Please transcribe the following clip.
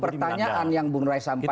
karena itu pertanyaan yang bung rai sampaikan